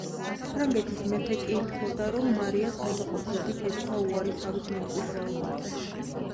საფრანგეთის მეფე კი ითხოვდა, რომ მარიას ნებაყოფლობით ეთქვა უარი თავის მემკვიდრეობაზე.